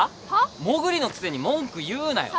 モグリのくせに文句言うなよ